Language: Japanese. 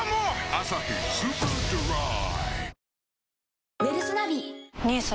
「アサヒスーパードライ」